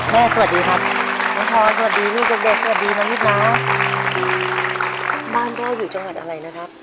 อำเภออะไรพ่อ